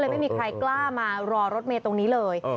ไม่มีใครกล้ามารอรถเมย์ตรงนี้เลย